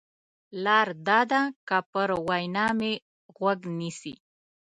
لار دا ده که پر وینا مې غوږ نیسې.